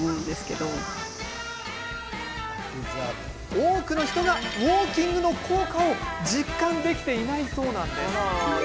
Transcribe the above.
多くの人がウォーキングの効果を実感できていないそうなんです。